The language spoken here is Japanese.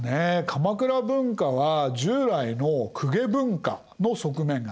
鎌倉文化は従来の公家文化の側面がある。